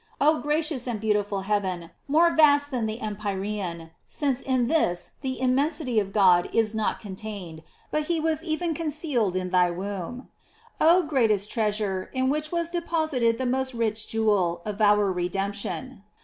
Oh gracious and beautiful heaven, more vast than the empyrean! since in this the immensity of God is not contained, but he was even concealed in thy womb. Oh richest treas ure, in which was deposited the most rich jewel of our redemption!